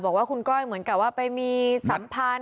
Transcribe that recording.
บอกว่าคุณก้อยเหมือนกับว่าไปมีสัมพันธ์